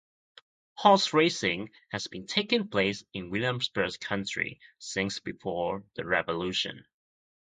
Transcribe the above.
Horse racing has been taking place in Williamsburg County since before the Revolution.